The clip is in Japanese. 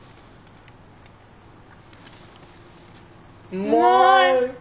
うまい！